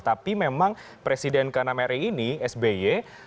tapi memang presiden kana meri ini sby